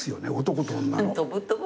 男と女の。